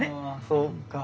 そっか。